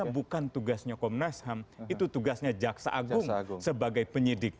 bukan tugasnya komnas ham itu tugasnya jaksa agung sebagai penyidik